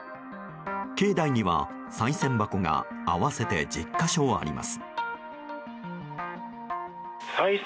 境内には、さい銭箱が合わせて１０か所あります。